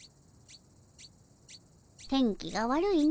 天気が悪いの。